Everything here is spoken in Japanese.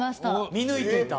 見抜いていた？